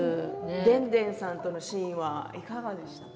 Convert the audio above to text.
でんでんさんとのシーンはいかがでしたか。